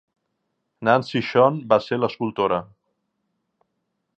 Nancy Schon va ser l'escultora.